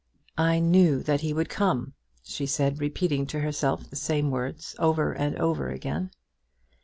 "I knew that he would come," she said, repeating to herself the same words, over and over again.